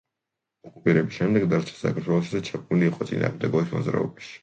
ოკუპირების შემდეგ დარჩა საქართველოში და ჩაბმული იყო წინააღმდეგობის მოძრაობაში.